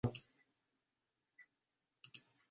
Nur konserviĝas parto de ĝia bazo.